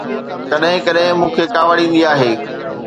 ڪڏهن ڪڏهن مون کي ڪاوڙ ايندي آهي